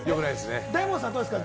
大門さんはどうですか？